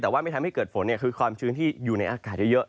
แต่ว่าไม่ทำให้เกิดฝนคือความชื้นที่อยู่ในอากาศเยอะ